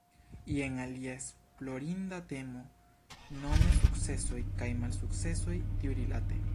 Jen alia esplorinda temo, nome sukcesoj kaj malsukcesoj tiurilate.